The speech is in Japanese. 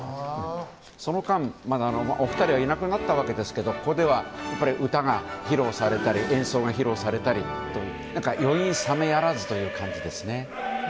その間、お二人はいなくなったわけですけどここでは歌が披露されたり演奏が披露されたりという余韻冷めやらずという感じですよね。